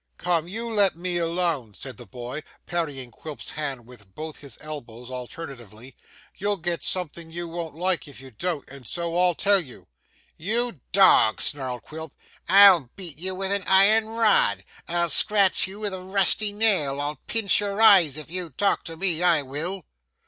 'Come, you let me alone,' said the boy, parrying Quilp's hand with both his elbows alternatively. 'You'll get something you won't like if you don't and so I tell you.' 'You dog,' snarled Quilp, 'I'll beat you with an iron rod, I'll scratch you with a rusty nail, I'll pinch your eyes, if you talk to me I will.